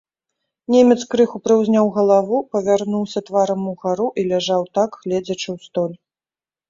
Немец крыху прыўзняў галаву, павярнуўся тварам угару і ляжаў так, гледзячы ў столь.